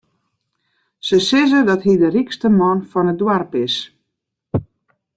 Se sizze dat hy de rykste man fan it doarp is.